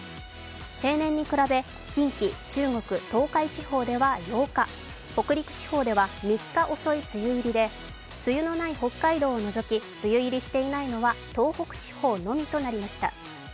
平年に比べ近畿、中国、東海地方では８日、北陸地方では３日遅い梅雨入りで、梅雨のない北海道を除き、梅雨入りしていないのは東北地方のみとなりました。